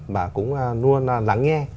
mà cũng luôn lắng nghe